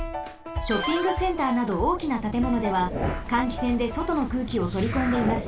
ショッピングセンターなどおおきなたてものでは換気扇でそとの空気をとりこんでいます。